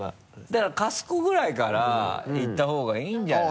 だからカス子ぐらいからいったほうがいいんじゃないの？